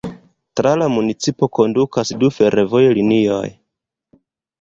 Tra la municipo kondukas du fervojlinioj.